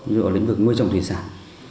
ví dụ lĩnh vực nuôi trồng thủy sản